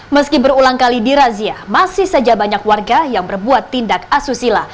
meski berulang kali dirazia masih saja banyak warga yang berbuat tindak asusila